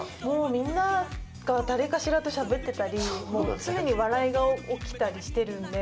みんなが誰かしらとしゃべってたり、常に笑いが起きたりしてるんで。